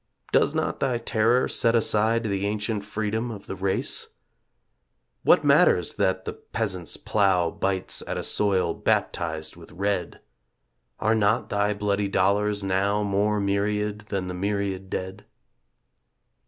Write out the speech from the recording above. Does not thy Terror set aside The ancient freedom of the race? What matters that the peasant's plow Bites at a soil baptised with red? Are not thy bloody dollars now More myriad than the myriad dead?